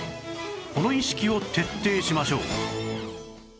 この意識を徹底しましょう